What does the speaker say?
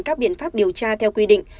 các biện pháp điều tra theo quy định